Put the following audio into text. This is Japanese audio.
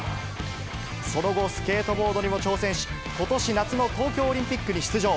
その後、スケートボードにも挑戦し、ことし夏の東京オリンピックに出場。